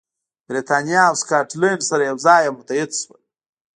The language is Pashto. برېټانیا او سکاټلند سره یو ځای او متحد شول.